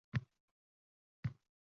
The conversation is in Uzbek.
Xotini o'lganiga bir yil bo'ldi.